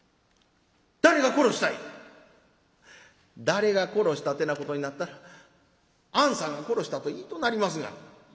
「誰が殺したってなことになったらあんさんが殺したと言いとなりますがな」。